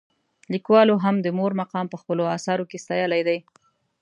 لیکوالو هم د مور مقام په خپلو اثارو کې ستایلی دی.